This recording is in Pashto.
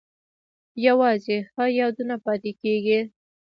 یوازې ښه یادونه پاتې کیږي؟